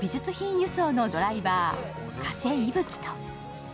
輸送のドライバー、加瀬息吹と。